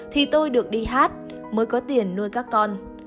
thì tôi được đi hát mới có tiền nuôi các con